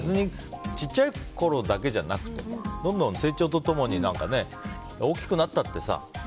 小さいころだけじゃなくてどんどん成長と共にね大きくなったってさ